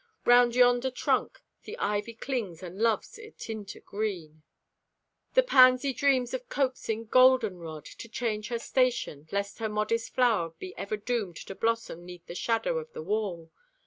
Round yonder trunk The ivy clings and loves it into green. The pansy dreams of coaxing goldenrod To change her station, lest her modest flower Be ever doomed to blossom 'neath the shadow of the wall.